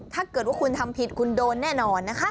ถ้าเกิดว่าคุณทำผิดคุณโดนแน่นอนนะคะ